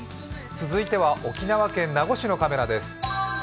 続いては沖縄県名護市のカメラです。